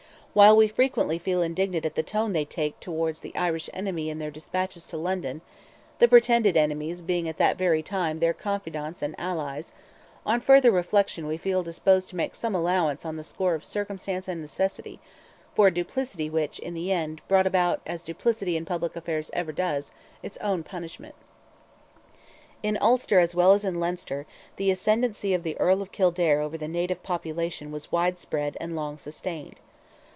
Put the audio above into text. While we frequently feel indignant at the tone they take towards the "Irish enemy" in their despatches to London—the pretended enemies being at that very time their confidants and allies—on farther reflection we feel disposed to make some allowance on the score of circumstance and necessity, for a duplicity which, in the end, brought about, as duplicity in public affairs ever does, its own punishment. In Ulster as well as in Leinster, the ascendency of the Earl of Kildare over the native population was widespread and long sustained.